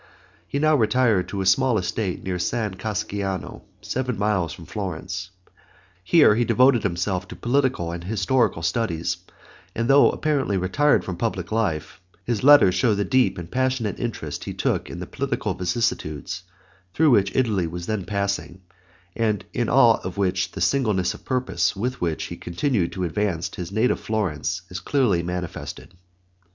He now retired to a small estate near San Casciano, seven miles from Florence. Here he devoted himself to political and historical studies, and though apparently retired from public life, his letters show the deep and passionate interest he took in the political vicissitudes through which Italy was then passing, and in all of which the singleness of purpose with which he continued to advance his native Florence, is clearly manifested.